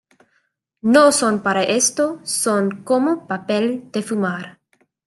no son para esto, son como papel de fumar.